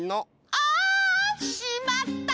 あっしまった！